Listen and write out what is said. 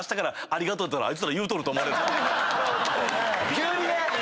急にね！